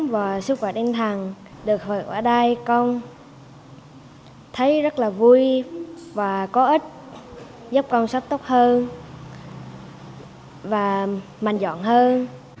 và ở đây con thấy rất là vui và có ích giúp con sắp tốt hơn và mạnh dọn hơn